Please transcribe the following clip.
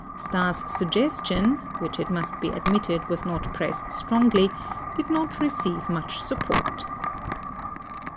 Stas' suggestion, which it must be admitted was not pressed strongly, did not receive much support.